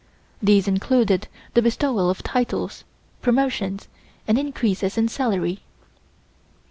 These included the bestowal of titles, promotions and increases in salary.